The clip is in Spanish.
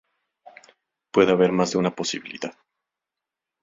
Puede haber más de una posibilidad.